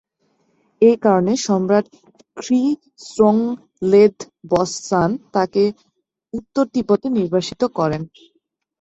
এই কারণে সম্রাট খ্রি-স্রোং-ল্দে-ব্ত্সান তাকে উত্তর তিব্বতে নির্বাসিত করেন।